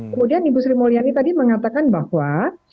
kemudian ibu sri mulyani tadi mengatakan bahwa